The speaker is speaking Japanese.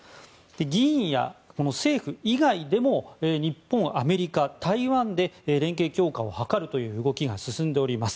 議員や政府以外でも日本、アメリカ、台湾で連携強化を図る動きが進んでおります。